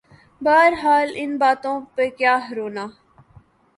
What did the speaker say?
بہرحال ان باتوں پہ کیا رونا۔